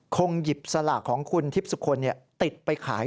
คงหยิบสลากของคุณทิพย์สุคลติดไปขาย